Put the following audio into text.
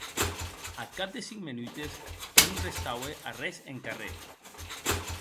Ath cap de cinc menutes ja non restaue arrés en carrèr.